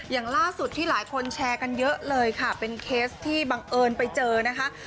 อย่างล่าสุดที่หลายคนแชร์กันเยอะเลยค่ะเป็นเคสที่บังเอิญไปเจอนะคะ